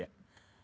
patent itu kan ada